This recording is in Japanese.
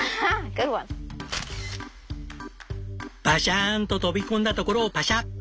バシャーンと飛び込んだところをパシャ！